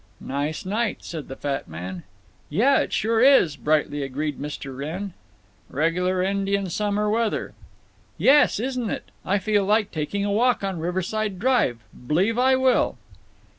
"Nice night," said the fat man. "Yuh—it sure is," brightly agreed Mr. Wrenn. "Reg'lar Indian Summer weather." "Yes, isn't it! I feel like taking a walk on Riverside Drive—b'lieve I will."